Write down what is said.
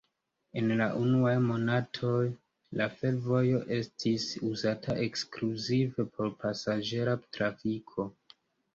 En la unuaj monatoj, la fervojo estis uzata ekskluzive por pasaĝera trafiko.